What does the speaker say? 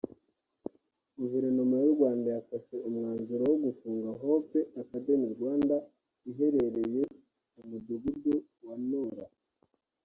Guverinoma y’u Rwanda yafashe umwanzuro wo gufunga Hope Academy Rwanda iherereye mu Mudugudu wa Ntora